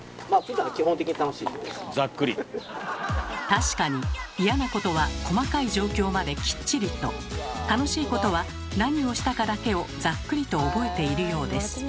確かに嫌なことは細かい状況まできっちりと楽しいことは何をしたかだけをざっくりと覚えているようです。